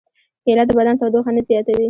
کېله د بدن تودوخه نه زیاتوي.